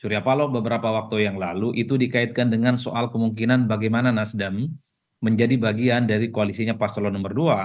surya paloh beberapa waktu yang lalu itu dikaitkan dengan soal kemungkinan bagaimana nasdem menjadi bagian dari koalisinya paslon nomor dua